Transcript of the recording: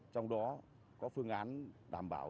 trong đó có phương án đảm bảo